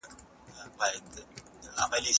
شاه شجاع پلمې جوړولې او سترګې یې پر کندهار څارلې.